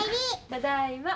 ただいま。